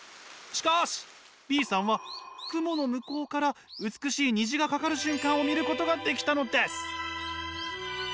しかしＢさんは雲の向こうから美しい虹がかかる瞬間を見ることができたのです。